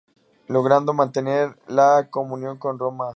Logrando mantener la comunión con Roma.